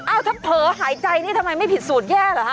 ถ้าเผลอหายใจนี่ทำไมไม่ผิดสูตรแย่เหรอฮะ